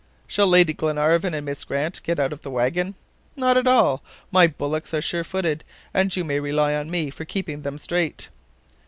"Shall Lady Glenarvan and Miss Grant get out of the wagon?" "Not at all. My bullocks are surefooted, and you may rely on me for keeping them straight."